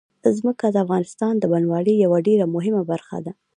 ځمکه د افغانستان د بڼوالۍ یوه ډېره مهمه برخه ده.